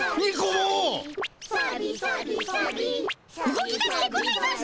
動き出してございます！